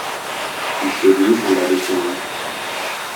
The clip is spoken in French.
Il se glisse en bas de son lit.